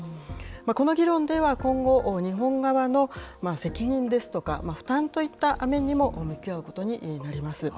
この議論では今後、日本側の責任ですとか、負担といった面にも向き合うことになります。